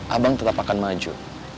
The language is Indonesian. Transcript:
abang tetap akan maju